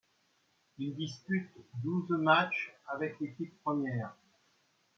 Il dispute douze matchs avec l'équipe première.